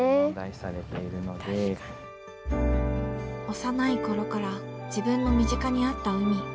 幼い頃から自分の身近にあった海。